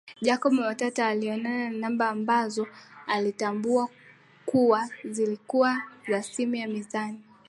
Jacob Matata aliona namba ambazo alitambua kuwa zilikuwa za simu ya mezani